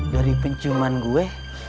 dari pencuman gue